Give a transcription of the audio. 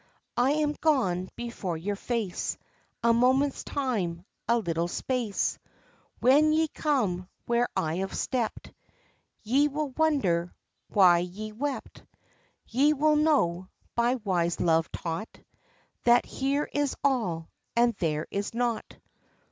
I am gone before your face, A moment's time, a little space; When ye come where I have stepped Ye will wonder why ye wept; Ye will know, by wise love taught, That here is all and there is naught.